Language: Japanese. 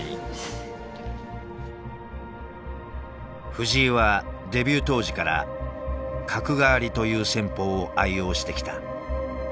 藤井はデビュー当時から角換わりという戦法を愛用してきた。